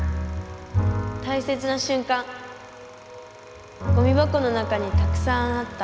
大切なしゅんかんゴミ箱の中にたくさんあった。